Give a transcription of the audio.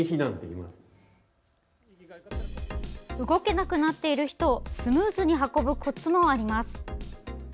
動けなくなっている人をスムーズに運ぶコツもあります。